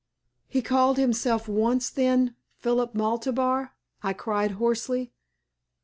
"He called himself once, then, Philip Maltabar?" I cried, hoarsely.